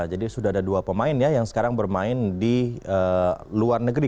jadi sudah ada dua pemain yang sekarang bermain di luar negeri